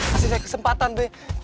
kasih saya kesempatan be